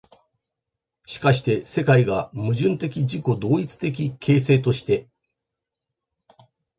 しかして世界が矛盾的自己同一的形成として、